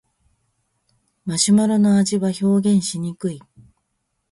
マシュマロの味は表現しにくい